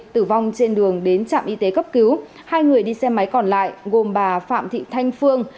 tử vong trên đường đến trạm y tế cấp cứu hai người đi xe máy còn lại gồm bà phạm thị thanh phương